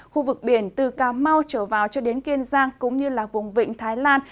khu vực biển từ cà mau trở vào cho đến kiên giang cũng như là vùng vịnh thái lan